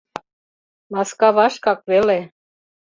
— Маскавашкак веле.